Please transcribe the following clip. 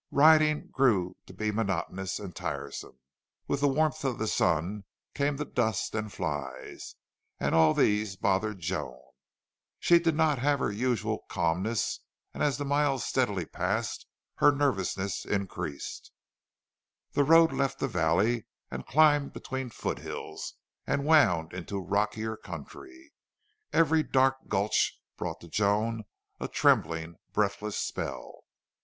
Riding grew to be monotonous and tiresome. With the warmth of the sun came the dust and flies, and all these bothered Joan. She did not have her usual calmness, and as the miles steadily passed her nervousness increased. The road left the valley and climbed between foot hills and wound into rockier country. Every dark gulch brought to Joan a trembling, breathless spell.